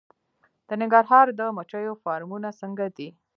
د ننګرهار د مچیو فارمونه څنګه دي؟